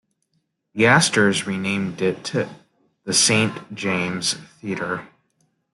The Astors renamed it the Saint James Theatre.